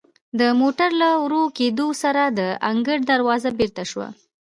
د موټر له ورو کیدو سره د انګړ دروازه بیرته شوه.